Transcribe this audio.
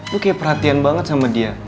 lo kaya perhatian banget sama dia